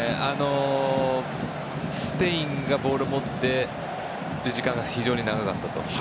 スペインがボールを持っている時間が非常に長かったと。